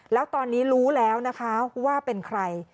แล้วตอนนี้รู้แล้วนะคะว่าเป็นใคร